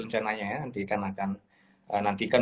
rencananya ya nantikan